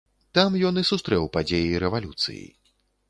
Там ён і сустрэў падзеі рэвалюцыі.